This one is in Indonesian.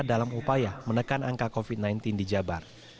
dalam upaya menekan angka covid sembilan belas di jabar